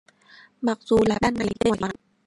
Mặc dù là ban ngày bên ngoài chỉ có nắng